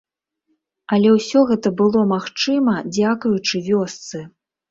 Але ўсё гэта было магчыма дзякуючы вёсцы.